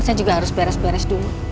saya juga harus beres beres dulu